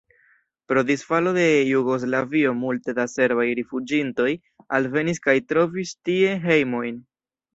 Pro disfalo de Jugoslavio multe da serbaj rifuĝintoj alvenis kaj trovis tie hejmojn.